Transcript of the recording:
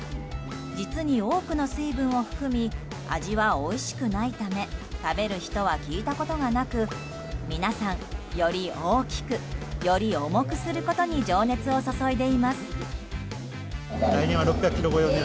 実に多くの水分を含み味はおいしくないため食べる人は聞いたことがなく皆さん、より大きくより重くすることに情熱を注いでいます。